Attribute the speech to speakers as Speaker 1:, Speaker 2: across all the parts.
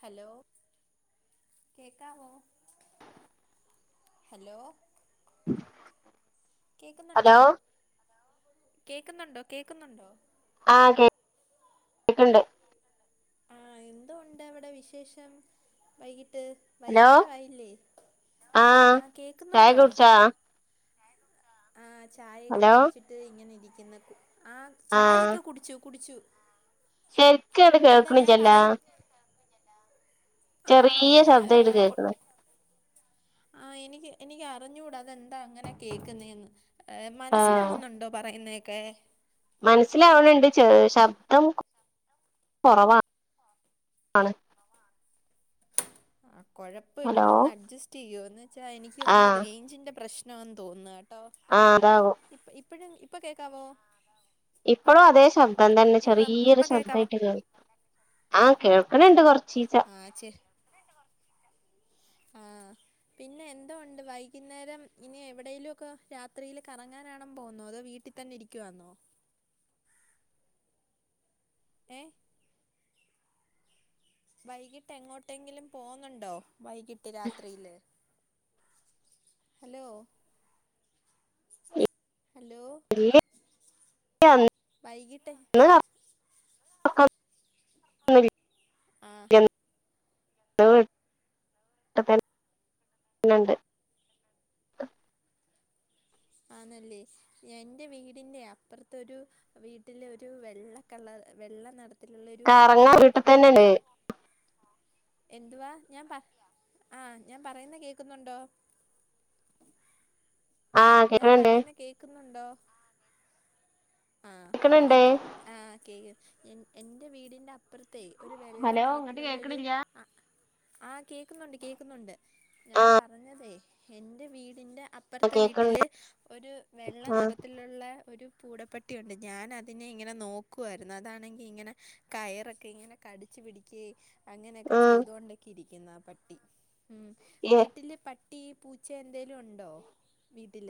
Speaker 1: Hello കേക്കാവോ hello
Speaker 2: hello
Speaker 1: കേക്കുന്നുണ്ടോ കേക്ക്ന്നുണ്ടോ കേക്ക്ന്നുണ്ടോ
Speaker 2: ആഹ് കേ കേക്ക്ണ്ട്
Speaker 1: എന്തൊണ്ട് അവിടെ വിശേഷം വൈകിട്ട് ട്ട്
Speaker 2: ഹലോ
Speaker 1: വൈകുന്നേരം ആയില്ലേ ആഹ്
Speaker 2: ചായ
Speaker 1: കേക്കുന്നുണ്ടോ
Speaker 2: കുടിച്ചാ
Speaker 1: ആഹ് ചായയൊക്കെ
Speaker 2: ഹലോ
Speaker 1: കുടിച്ചിട്ട് ഇങ്ങനെ ഇരി ക്കിന്ന് ആഹ് ചായയൊക്കെ കുടിച്ചു കുടിച്ചു
Speaker 2: ശരിക്യണ്ട്
Speaker 1: എന്താ ഞാൻ
Speaker 2: കേൾക്ക്ണ്ല്ലല്ലോ
Speaker 1: പറയ ആണോ
Speaker 2: ചെറീയ ശബ്ദാ അയ്ല്
Speaker 1: ഏഹ്
Speaker 2: കേക്ക്ണെ
Speaker 1: ആഹ് എനിക്ക് എനിക്ക് അറിഞ്ഞൂട അതെന്താ അങ്ങനെ കേക്ക്ന്നെ എന്ന് ഏഹ് മനസ്സിലാവുന്നോണ്ടോ പറയുന്നേ ക്കെ
Speaker 2: മനസ്സിലാവാണ് ണ്ട് ശബ്ദം കൊറവാ ആണ്
Speaker 1: ആഹ്‌ കൊഴപ്പവില്ല
Speaker 2: ഹലോ
Speaker 1: ഒന്ന് അഡ്ജസ്റ്റ് ചെയ്യുവോ എന്ന് വെച്ചാ എനിക്ക് തോന്നു
Speaker 2: ആഹ്
Speaker 1: റേഞ്ചിന്റെ പ്രശ് ന്നോ തോന്നാ
Speaker 2: ആഹ് അതാവും
Speaker 1: പ്പഴും ഇപ്പൊ കേക്കാവോ
Speaker 2: ഇപ്പളു അതേ ശബ്ദം തന്നെ
Speaker 1: ഇപ്പം
Speaker 2: ചെറീയൊരു
Speaker 1: ഇപ്പൊ കേക്കാവോ
Speaker 2: ശബ്‌ദയ്ട്ട് കേൾ ആ കേൾക്ക്ണ് ണ്ട് കൊർച്ചീച്ച
Speaker 1: ആ ചെ ആ പിന്നെ എന്തോണ്ട് വൈകിന്നേരം ഇനി എവിടേലൊക്ക രാത്രീല് കറങ്ങാനാണൊ മ്പോന്നൊ അതോ വീട്ടിത്തന്നിരിക്കുവാന്നോ എ വൈകിട്ട് എങ്ങോട്ടെങ്കിലും പോന്നുണ്ടോ വൈകിട്ട് രാത്രീല് ഹലോ ഹലോ
Speaker 2: വീട്ടിൽ
Speaker 1: വൈകിട്ട്
Speaker 2: [inaudible]
Speaker 1: ആ
Speaker 2: [inaudible]
Speaker 1: ആന്നല്ലേ യെൻ്റെ വീടിൻ്റെ അപ്പർത്തൊരു വീട്ടിലൊരു വെള്ളക്കള്ളർ വെള്ള നടത്ത് ത്തിലുള്ളൊരു
Speaker 2: കറങ്ങാൻ വീട്ടിൽ
Speaker 1: പൂടപ്പട്ടിയുണ്ട്
Speaker 2: തന്നെണ്ട്
Speaker 1: എന്തുവ ഞാൻ പ ആ ഞാൻ പറയുന്ന കേക്കുന്നുണ്ടോ
Speaker 2: ആഹ്
Speaker 1: ഞാൻ
Speaker 2: കേക്കണണ്ട്
Speaker 1: പറയുന്നെ കേക്കുന്നു ണ്ടോ ആ എൻ
Speaker 2: കേക്കണണ്ട്
Speaker 1: ആ കേക് എൻ എൻ്റെ വീടിന്റപ്പർത്തെയ് ഒരു വെള്ള
Speaker 2: ഹലോ ഇങ്ങട്ട്
Speaker 1: നെറത്തിലുള്ളൊരു
Speaker 2: കേക്കണില്ല
Speaker 1: അ ആ കേക്കുന്നുണ്ട് കേക്കുന്നുണ്ട്
Speaker 2: ആ
Speaker 1: ഞാൻ പറഞ്ഞതേ ഹെന്റെ വീടിന്റ അപ്പർത്തെ വി
Speaker 2: കേക്കണ്ട്
Speaker 1: ട്ടില് ഒരു വെള്ള
Speaker 2: ആ
Speaker 1: നെറത്തിലുള്ള ഒരു പൂടപ്പട്ടിയൊണ്ട് ഞാൻ അതിനെ ഇങ്ങനെ നോക്കുവാരുന്നു അതാണെങ്കി ഇങ്ങനെ കയറൊക്കെ ഇങ്ങനെ കടിച്ചു പിടിക്കേ അങ്ങനെയൊക്കെ
Speaker 2: ആ
Speaker 1: ചെയ്തോണ്ടൊക്കിരി ക്കുന്ന പട്ടി ഉം വീട്ടില് പട്ട് ഈ പൂച്ചെയെന്തെ ലുണ്ടോ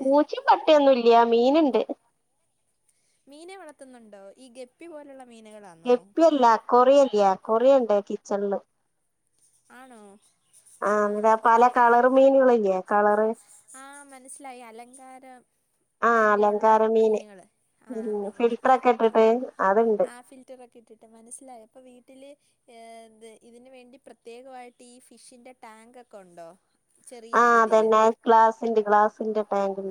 Speaker 2: പൂച്ചിം പട്ടിയൊന്നുല്ല്യ മീന്ണ്ട്
Speaker 1: മീനെ വളത്ത്ന്നുണ്ടോ ഈ ഗപ്പി പോലള്ള
Speaker 2: ഗപ്പിയല്ല [unintelligible] ണ്ടാക്കി ചെള്ളു
Speaker 1: ആണോ
Speaker 2: ആഹ് ന്താ പല കളർ മീനുകളില്ലേ കളറ്
Speaker 1: ആ മനസ്സിലായി അലങ്കാരം
Speaker 2: ആ
Speaker 1: വേണ്ടിയുള്ള
Speaker 2: അലങ്കാര മീന്
Speaker 1: മീനുകള് ആ മീന്
Speaker 2: ഫിൽട്ടർ ഒക്കെ
Speaker 1: ആ
Speaker 2: ഇട്ടിട്ട് അതുണ്ട്
Speaker 1: ആ ഫിൽറ്ററൊക്കെ ഇട്ടിട്ട് മനസ്സിലായി അപ്പൊ വീട്ട ഇതിന് വേണ്ടി പ്ര ത് പ്രത്യേകമായിട്ട് ഈ ഫിഷിന്റെ ടാങ്കക്കെ ഉണ്ടോ ചെറിയ
Speaker 2: ആഹ്
Speaker 1: രീതിയില്
Speaker 2: അതന്നെ ഗ്ലാസ്സിന്റെ ഗ്ലാസ്സിന്റെ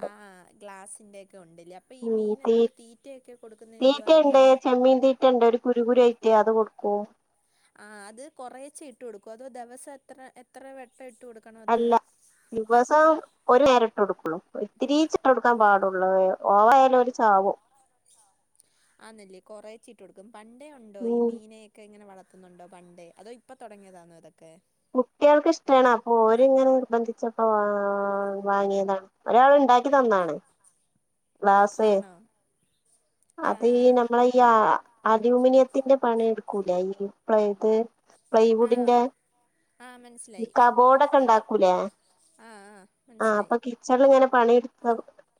Speaker 1: ആഹ് ആഹ്ആ ഗ്ലാസ് ഒക്കെ ഉണ്ടല്ലേ അപ്പൊ ഈ
Speaker 2: ഉം
Speaker 1: മീൻ
Speaker 2: തീ
Speaker 1: എന്തുവാ തീറ്റയൊക്കെ കൊടുക്കുന്ന എന്തുവാ
Speaker 2: തീറ്റണ്ട്
Speaker 1: മീന്
Speaker 2: എ അത് കൊടുക്കുവൊ
Speaker 1: ആ അത് കൊറേച്ചെ ഇട്ട് കൊടുക്കൊ അതൊ ദിവസം എത്ര എത്ര വെ
Speaker 2: അല്ല ദിവസം ഒരു നേരം കൊടുക്കൊളളൂ ഇത്തിരിചിട്ട്ടുക്കാൻ പാടുള്ള് ഓവയാൽ അരു ചാവും
Speaker 1: ആന്നല്ലേ കൊറേച്ചിട്ട് കൊടുക്കും പണ്ടേ ഉണ്ടോ ഈ
Speaker 2: ഉം
Speaker 1: മീനെയൊക്കെ ഇങ്ങനെ വള ന്നുണ്ടോ പണ്ടേ അതോ ഇപ്പ തുടങ്ങിയതാണോ ഇതൊക്കെ
Speaker 2: കുട്ടികൾക്ക് ഇഷ്ടാണ് അപ്പൊ ഓര് ഇങ്ങനെ നിർബന്ധിച്ചപ്പോ വാ വാങ്ങിയതാണ് ഒരാൾ ഇണ്ടാക്കി തന്നാണ്. ഗ്ളാസ്
Speaker 1: ആണോ
Speaker 2: അത് ഈ
Speaker 1: ആഹ്
Speaker 2: നമ്മളെ ഈ യാ അലൂമിനിയത്തിന്റെ പണി എടുക്കൂലെ ഈ ഇപ്ളേത്
Speaker 1: ആഹ്
Speaker 2: പ്ലൈവുഡിന്റെ
Speaker 1: ആഹ് ആഹ് മനസ്സിലായി
Speaker 2: കബോർഡെക്കെ ഇണ്ടാക്കൂലേ
Speaker 1: ആഹ് ആഹ്
Speaker 2: ആ അപ്പ
Speaker 1: മനസ്സിലായി
Speaker 2: കിച്ചണിൽ ഇങ്ങനെ [unintelligible] പണി എടുത്ത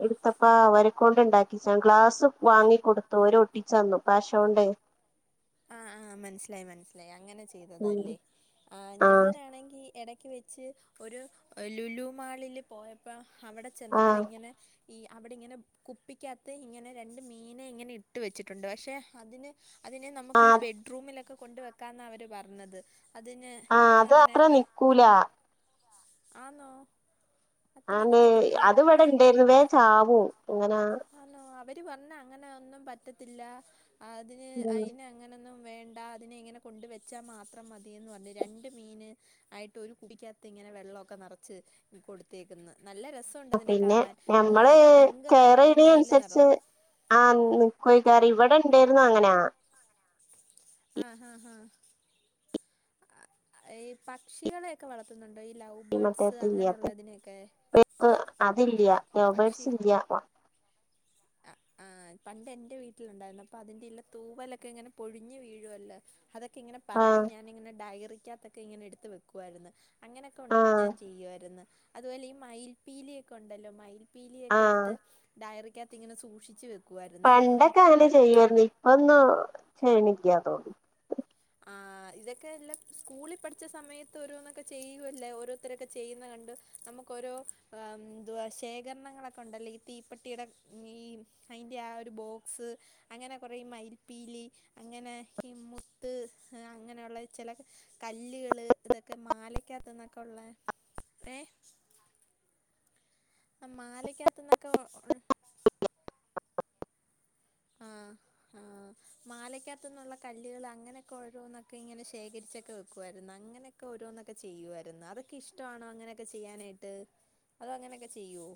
Speaker 2: എടുത്തപ്പ അവരക്കൊണ്ട് ഉണ്ടാക്കിച്ചാ ഗ്ലാസ് വാങ്ങി കൊടുത്തു ഓര് ഒട്ടിച്ചന്നു പശൊണ്ടേ
Speaker 1: ആഹ് ആഹ് മനസ്സിലായി മനസിലായി അങ്ങനെ [unintelligible]
Speaker 2: ഉം
Speaker 1: ചെയ്തതാലേ ആ ഞാനാണെങ്കി എട വെച്ച് ഒരു ലുലു മാളില് പോയപ്പോ അവിടെ
Speaker 2: ആ
Speaker 1: ചെന്നപ്പോ ഇങ്ങനെ ഈ അവിടെ ഇങ്ങനെ കുപ്പിക്കാത്ത് ഇങ്ങനെ രണ്ട് മീനെ ഇങ്ങനെ ഇട്ട് വെച്ചിട്ടുണ്ട് പക്ഷെ അതിന് അതിനെ നം [unintelligible]
Speaker 2: ആ
Speaker 1: ഈ ബെഡ്റൂമിലൊക്കെ കൊണ്ട് വെക്കാന്നവര് പറഞ്ഞത് അതിന്
Speaker 2: ആഹ്ആ അത്
Speaker 1: അങ്ങനെ
Speaker 2: അത്ര നിക്കൂലാ
Speaker 1: ആന്നോ അത്ര
Speaker 2: ആന്നേ
Speaker 1: നിക്കത്തില്ലേ
Speaker 2: അതിവിടെ ഇണ്ടായിരുന്നു വേം ചാവും അങ്ങനാ
Speaker 1: തി പറഞൊ വന്നാ അങ്ങനെ ഒന്നും പറ്റത്തില്ല അതിന് അയിനെ അങ്ങനൊന്നും
Speaker 2: [inaudible]
Speaker 1: വേണ്ട അതിനെ ഇങ്ങനെ കൊണ്ടുവെച്ചാൽ മാത്രം മതിയന്ന് പറഞ്ഞു. രണ്ട് മീൻ ആയിട്ട് ഒരു കുപ്പി കകത്ത് ഇങ്ങനെ വെള്ളമൊക്കെ നിറച്ച് കൊടുത്തേക്കന്ന് നല്ല രസവോണ്ട് അതിനെ കാണാൻ ഏഹ് പിങ്ക് നെറ
Speaker 2: നെസരിച്ച് ആഹ്‌ [unintelligible] ഇവടെ ഇണ്ടാരുന്നു അങ്ങനാ
Speaker 1: ആഹ് ആഹ് ആഹ് ഈ പക്ഷികളെക്കെ വളത്തുന്നു
Speaker 2: ഈ മറ്റേ [unintelligible] അതില്ല്യ ലവ് ബെർഡ്സ് ഇല്ല്യ
Speaker 1: ആഹ് ആ്ഹ് പണ്ട് എന്റെ വീട്ടിലുണ്ടാരുന്നു അപ്പൊ അതിന്റെയെല്ല തൂവലൊക്കെ ഇങ്ങനെ പൊഴിഞ്ഞു വീഴുവല്ലോ അതെ ഇങ്ങനെ പറക്കി
Speaker 2: ആഹ്
Speaker 1: ഞാനിങ്ങന ഡയറി ക്കത്തൊക്കെ ഇങ്ങനെ എടുത്ത് വെക്കുവാരുന്ന് അങ്ങനൊക്കെ
Speaker 2: ആഹ്
Speaker 1: ഞാൻ ചെയ്യുവാരുന്ന് അതുപോലെ ഈ മയിൽ പീലിയൊക്കെ ഒണ്ടല്ലോ മയിൽ പീലിയെക്കെ
Speaker 2: ആഹ്
Speaker 1: എടുത്ത് ഡയറി കത്തിങ്ങെനെ സൂക്ഷിച്ച് വെക്കു
Speaker 2: പണ്ടൊക്കെ അങ്ങനെ ചെയ്യരുന്നു ഇപ്പൊന്ന് ചെയ്യണില്ല്യ തോന്ന്
Speaker 1: അഹ് ഇതക്കെ എല്ല സ്കൂളിൽ പഠിച്ച സമയത്ത് ഓരോന്നൊക്കെ ചെയ്വല്ലേ ഓരോത്തരൊക്കെ ചെയ്യുന്ന കണ്ട് നമുക്കൊരോ എന്തുവാ ശേഖരണങ്ങളൊക്കെ ഉണ്ടല്ലോ ഈ തീപ്പെട്ടിടെ ഈ അയിൻ്റെ ആഹ് ഒരു ബോക്സ് അങ്ങനെ കുരെ ഈ മയിൽപ്പീലി അങ്ങനെ ഈ മൊ ത്ത് അങ്ങനൊള്ള ചെല കല്ലുകള് ഇതൊക്കെ മാലയ്ക്കത്തുന്നൊക്കെള്ള മാലക്കത്തന്നൊക്കെ ഒ - ആഹ് ആഹ് മാലയ്ക്കത്ത്ന്നൊള്ള കല്ലുകൾ അങ്ങനൊക്കെ ഓരോന്നൊക്കെ ഇങ്ങനെ ശേഖരിച്ചൊക്കെ വെക്കുവാരുന്നു അങ്ങനെക്കെ ഓരോന്നൊക്കെ ചെയ്യുവാരുന്നു അതൊക്കെ ഇഷ്ടവാണോ അങ്ങനെക്കെ ചെയ്യാനായിട്ട് അതൊഅങ്ങനെക്കെ ചെയ്യുവോ